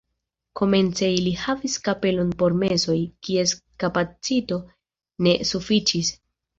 Komence ili havis kapelon por mesoj, kies kapacito ne sufiĉis.